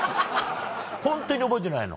ホントに覚えてないの？